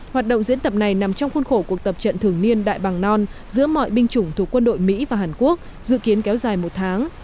hoạt động diễn tập này nằm trong khuôn khổ cuộc tập trận thường niên đại bằng non giữa mọi binh chủng thuộc quân đội mỹ và hàn quốc dự kiến kéo dài một tháng